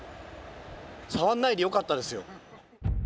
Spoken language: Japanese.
触んないでよかったですよ。